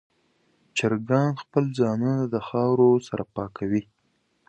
چرګان خپل ځانونه د خاورو سره پاکوي.